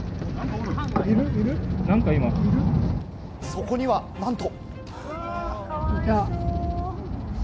そこには、なんと。